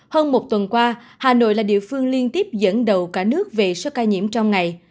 hơn một tuần qua hà nội là địa phương liên tiếp dẫn đầu cả nước về số ca nhiễm trong ngày